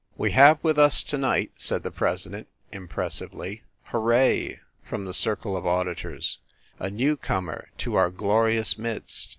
"We have with us to night," said the president, impressively "Hooray!" from the circle of au ditors "a newcomer to our glorious midst.